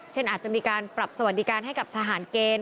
เช่นอาจจะมีการปรับสวัสดิการให้กับทหารเกณฑ์